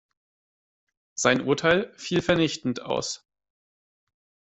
Sein Urteil fiel vernichtend aus.